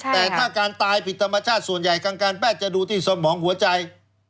แต่ถ้าการตายผิดธรรมชาติส่วนใหญ่กลางการแพทย์จะดูที่สมองหัวใจ